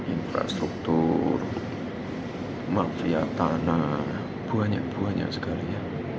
infrastruktur mafia tanah banyak banyak segalanya